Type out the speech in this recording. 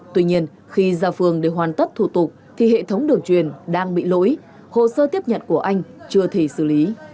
tuy nhiên khi ra phường để hoàn tất thủ tục thì hệ thống đường truyền đang bị lỗi hồ sơ tiếp nhận của anh chưa thể xử lý